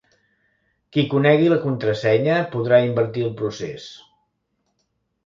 Qui conegui la contrasenya podrà invertir el procés.